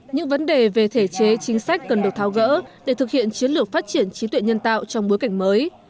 những vấn đề về thể chế chính sách cần được tháo gỡ để thực hiện chiến lược phát triển trí tuệ nhân tạo trong bối cảnh mới